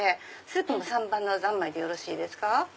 スープも３番の「三昧」でよろしいですか？